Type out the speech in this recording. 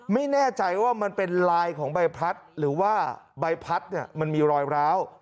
ไม่แน่ใจว่ามันเป็นลายของใบพลัดหรือว่าใบพัดมันมีรอยร้าว